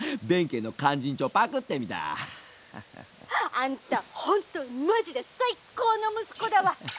「あんた本当マジで最高の息子だわ！